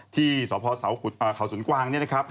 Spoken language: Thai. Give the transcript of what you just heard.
ที่สภเขาศูนย์กวางนะครับ